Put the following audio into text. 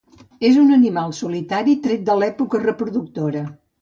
És un animal solitari, tret de l'època reproductora.